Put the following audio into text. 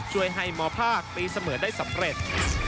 ช่วยให้มภาคตีเสมอได้สำเร็จ